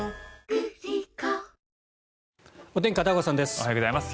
おはようございます。